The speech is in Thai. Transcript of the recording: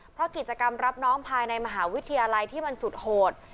เพราะกิจกรรมรับน้องภายในมหาวิทยาลัยที่มันสุดโหด